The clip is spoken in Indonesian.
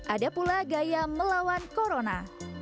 ada pula gaya melawan corona